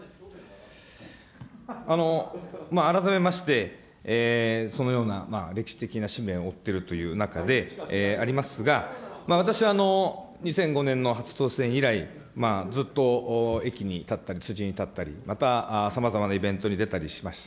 改めまして、そのような歴史的な使命を負っているという中でありますが、私は２００５年の初当選以来、ずっと駅に立ったり、つじに立ったり、また、さまざまなイベントに出たりしました。